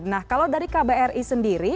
nah kalau dari kbri sendiri